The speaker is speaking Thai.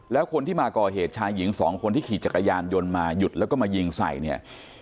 แล้วคนที่มาก่อเหตุชายหญิงสองคนที่ขี่จักรยานยนต์มาหยุดแล้วก็มายิงใส่เนี่ย